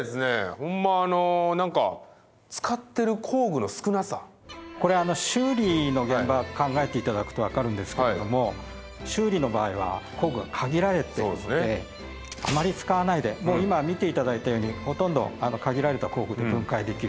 ほんま何かこれ修理の現場を考えて頂くと分かるんですけれども修理の場合は工具が限られているのであまり使わないでもう今見て頂いたようにほとんど限られた工具で分解できる。